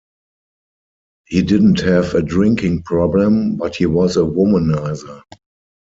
He didn't have a drinking problem, but he was a womanizer.